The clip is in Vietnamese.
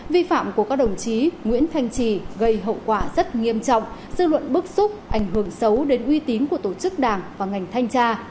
vi phạm của các đồng chí nguyễn thanh trì gây hậu quả rất nghiêm trọng dư luận bức xúc ảnh hưởng xấu đến uy tín của tổ chức đảng và ngành thanh tra